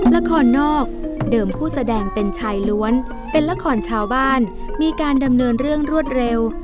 ละครนอกเดิมผู้แสดงเป็นชายล้วนเป็นละครชาวบ้านมีการดำเนินเรื่องรวดเร็ว